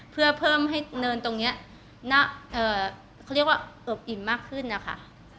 เพื่อเพิ่มให้เนินตรงนี้เขาเรียกว่าอบอิ่มมากขึ้นนะคะ